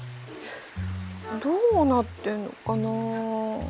どうなってんのかな？